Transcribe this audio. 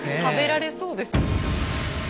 食べられそうです。